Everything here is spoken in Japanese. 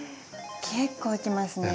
結構いきますね。